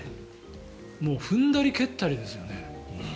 もう踏んだり蹴ったりですよね。